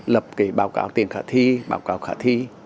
lập báo cáo tiền khả thi báo cáo khả thi